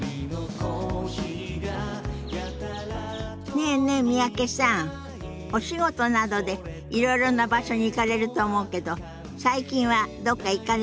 ねえねえ三宅さんお仕事などでいろいろな場所に行かれると思うけど最近はどっか行かれました？